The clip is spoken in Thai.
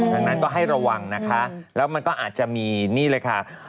ดังนั้นก็ให้ระวังนะคะแล้วมันก็อาจจะมีนี่เลยค่ะ